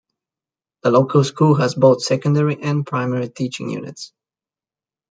The local school has both secondary and primary teaching units.